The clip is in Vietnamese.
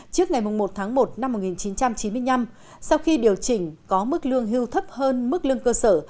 trước ngày một tháng một năm một nghìn chín trăm chín mươi năm sau khi điều chỉnh có mức lương hưu thấp hơn mức lương cơ sở